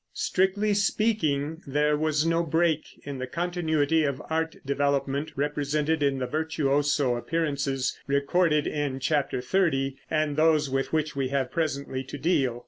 Strictly speaking, there was no break in the continuity of art development represented in the virtuoso appearances recorded in Chapter XXX, and those with which we have presently to deal.